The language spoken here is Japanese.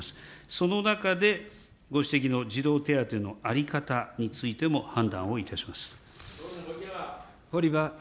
その中で、ご指摘の児童手当の在り方についても判断をいたします。